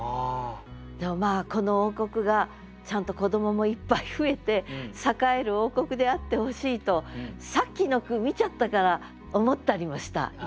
でもまあこの王国がちゃんと子どももいっぱい増えて栄える王国であってほしいとさっきの句見ちゃったから思ったりもした今。